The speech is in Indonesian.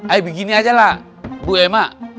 eh begini aja lah bu emma